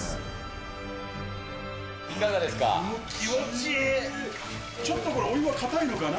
ちょっとこれ、お湯は硬いのかな。